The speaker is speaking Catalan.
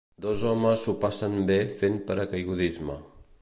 Dos homes s"ho passen bé fent paracaigudisme.